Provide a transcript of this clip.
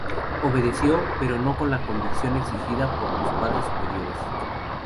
Obedeció, pero no con la convicción exigida por los padres superiores.